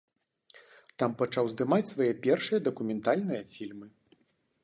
Там пачаў здымаць свае першыя дакументальныя фільмы.